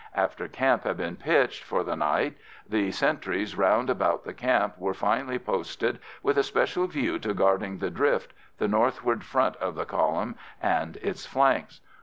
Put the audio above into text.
After camp had been pitched for the night, the sentries round about the camp were finally posted with a special view to guarding the drift, the northward front of the column, and its flanks.